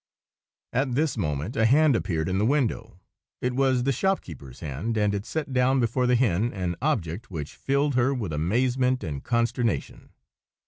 At this moment a hand appeared in the window. It was the shopkeeper's hand, and it set down before the hen an object which filled her with amazement and consternation.